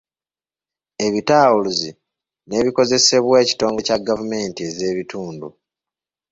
Ebitawuluzi, n’ebikozesebwa ekitongole kya gavumenti ez’ebitundu.